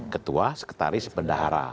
ketua sekretaris bendahara